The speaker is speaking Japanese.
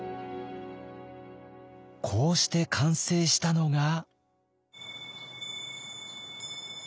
こうして完成したのが。